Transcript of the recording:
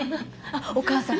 あっお母さん